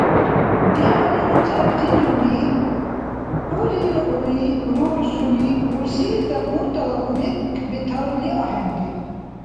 Дебали руцӀаррирули, гӀур риргӀули руржули, рурсилис дармунтала кумек бетарули ахӀенри.